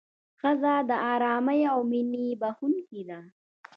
ښځه د ارامۍ او مینې بښونکې ده.